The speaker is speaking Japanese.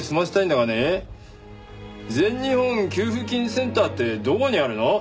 全日本給付金センターってどこにあるの？